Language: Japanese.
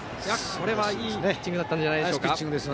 これはいいピッチングだったんじゃないでしょうか。